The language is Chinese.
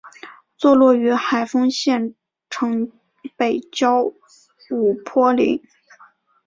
坐落于海丰县城北郊五坡岭。